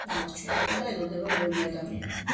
ამას ჩვენ კი არა, ელოდება ბევრი ადამიანი.